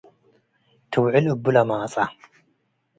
ትውዕል እቡ ለማጸ